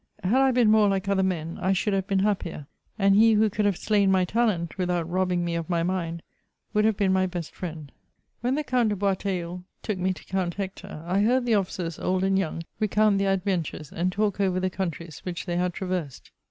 Had I been more Uke other men, I should have been happier; and he who could have slain my talent, without robbing me of my mind, wo^d have been my best friend When the Count de Boisteilleul took me to Coimt Hector, I heard the officers, old and young, recount their adventures, and talk over the countries which they had traversed.